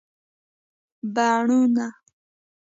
بڼونه